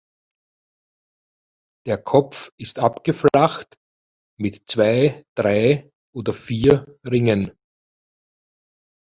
Der Kopf ist abgeflacht mit zwei, drei oder vier Ringen.